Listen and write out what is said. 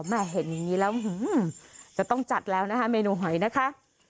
เห็นอย่างนี้แล้วจะต้องจัดแล้วนะคะเมนูหอยนะคะ